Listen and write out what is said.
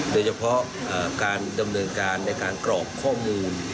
โดยเฉพาะการดำเนินการในการกรอกข้อมูล